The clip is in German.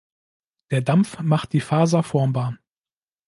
Der Dampf macht die Faser formbar.